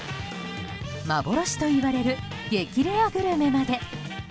幻といわれる激レアグルメまで。